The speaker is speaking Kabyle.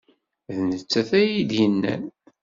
D nettat ay iyi-d-yennan.